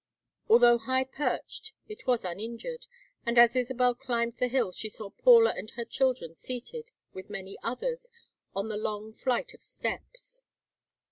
Although high perched, it was uninjured, and as Isabel climbed the hill she saw Paula and her children seated, with many others, on the long flight of steps.